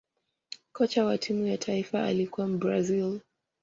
kocha wa timu ya taifa alikuwa mbrazil